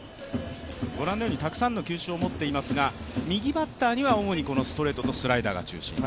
ご覧のようにたくさんの球種を持っていますが右バッターには主にストレートとスライダーが中心。